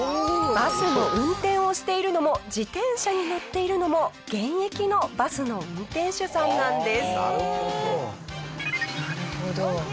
バスの運転をしているのも自転車に乗っているのも現役のバスの運転手さんなんです。